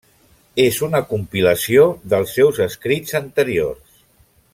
És una compilació dels seus escrits anteriors.